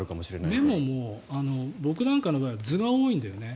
メモも僕なんかの場合は図が多いんだよね。